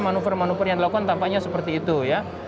manuver manuver yang dilakukan tampaknya seperti itu ya